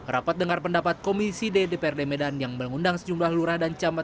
rapat dengar pendapat komisi ddprd medan yang mengundang sejumlah lurah dan camat